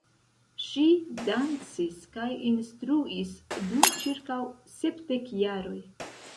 Ŝi dancis kaj instruis dum ĉirkaŭ sepdek jaroj.